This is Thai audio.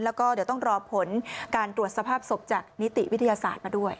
แล้วก็เดี๋ยวต้องรอผลการตรวจสภาพศพจากนิติวิทยาศาสตร์มาด้วย